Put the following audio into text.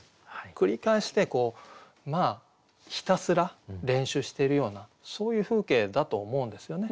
繰り返してひたすら練習してるようなそういう風景だと思うんですよね。